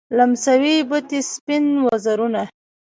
لمسوي بتې سپین وزرونه